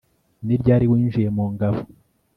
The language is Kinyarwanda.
Ni ryari winjiye mu ngabo